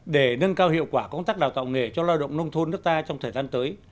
để nâng cao hiệu quả công tác đào tạo nghề cho lao động nông thôn nước ta trong thời gian tới